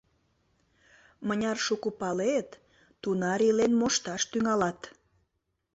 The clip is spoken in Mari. Мыняр шуко палет, тунар илен мошташ тӱҥалат.